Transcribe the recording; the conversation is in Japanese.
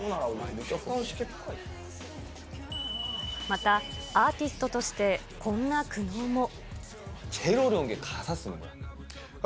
また、アーティストとしてこんな苦悩も。